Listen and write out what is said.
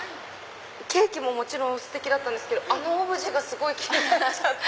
ケーキももちろんステキだったんですけどあのオブジェが気になっちゃって。